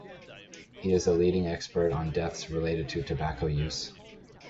He is a leading expert on deaths related to tobacco use.